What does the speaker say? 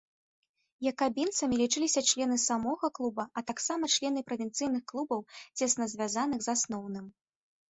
Якабінцамі лічыліся члены самога клуба, а таксама члены правінцыйных клубаў, цесна звязаных з асноўным.